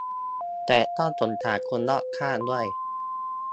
แต่ต้องสงสารคนรอบข้างด้วย